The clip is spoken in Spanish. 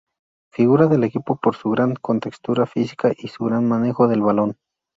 Figura del equipo por su gran contextura física y su gran manejo del balón.